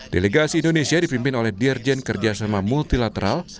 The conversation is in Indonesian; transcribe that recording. delegasi indonesia dipimpin oleh dirjen kerjasama multilateral